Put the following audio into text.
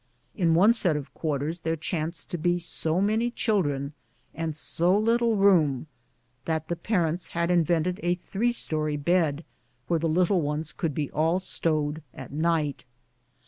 In one set of quar ters there chanced to be so many children and so little room that the parents had invented a three story bed, where the little ones could be all stowed at night.